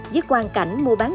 với quan cảnh mua bán đồng ấu